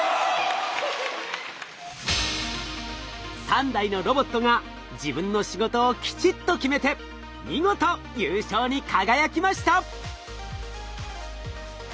３台のロボットが自分の仕事をきちっと決めて見事優勝に輝きました。